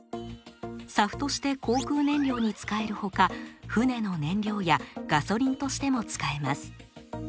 ＳＡＦとして航空燃料に使える他船の燃料やガソリンとしても使えます。